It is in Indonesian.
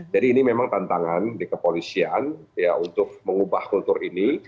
jadi ini memang tantangan di kepolisian untuk mengubah kultur ini